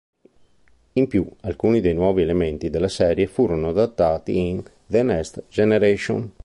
In più, alcuni dei nuovi elementi della serie furono adattati in "The Next Generation".